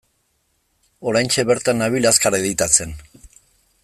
Oraintxe bertan nabil azkar editatzen.